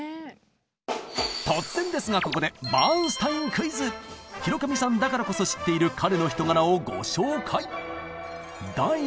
突然ですがここで広上さんだからこそ知っている彼の人柄をご紹介！